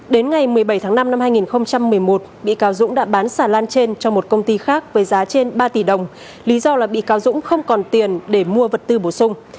đến ngày một mươi bảy tháng năm năm hai nghìn một mươi một bị cáo dũng đã bán sản lan trên cho một công ty khác với giá trên ba tỷ đồng lý do là bị cáo dũng không còn tiền để mua vật tư bổ sung